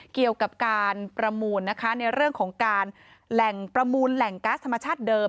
เกี่ยวกับการประมูลนะคะในเรื่องของการแหล่งประมูลแหล่งก๊าซธรรมชาติเดิม